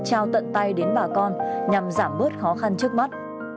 lực lượng công an tỉnh trao tận tài đến bà con nhằm giảm bớt khó khăn trước mắt